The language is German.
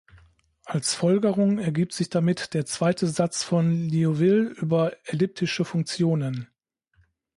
Als Folgerung ergibt sich damit der zweite Satz von Liouville über elliptische Funktionen.